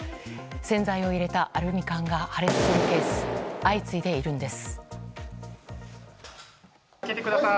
洗剤を入れたアルミ缶が破裂するケースが相次いでいるんです。